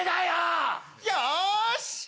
よし。